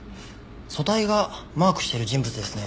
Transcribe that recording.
組対がマークしてる人物ですね。